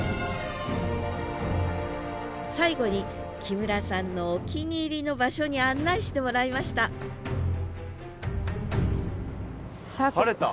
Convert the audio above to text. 最後に木村さんのお気に入りの場所に案内してもらいました晴れた！